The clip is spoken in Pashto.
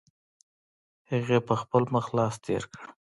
هغې په خپل مخ لاس تېر کړ.